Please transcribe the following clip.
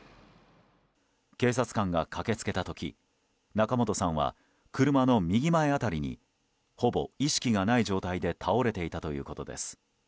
警察官が駆け付けた時仲本さんは車の右前辺りにほぼ意識がない状態で倒れていたということです。